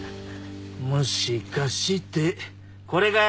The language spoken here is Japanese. もしかしてこれかい？